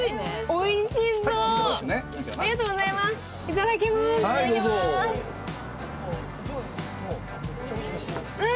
おいしそう！